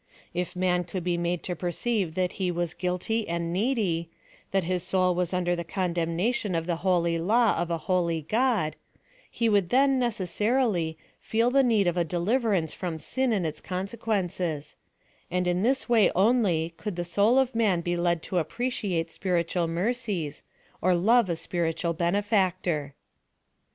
If man could be made to perceive that he was gnilty and needy ; that his soul was under the condemnation of tlie holy law of a holy God, he would then, necessarily, feel the need of a deliver ance from sin and its consequences; and in this way only could the soul of man be led to appre ciate spiritual mercies, or love a spiritual bene factor.